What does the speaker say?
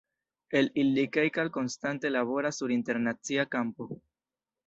El ili kelkaj konstante laboras sur internacia kampo.